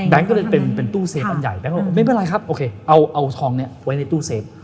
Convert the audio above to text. ก็เลยเป็นตู้เซฟอันใหญ่แบงค์บอกไม่เป็นไรครับโอเคเอาทองนี้ไว้ในตู้เซฟ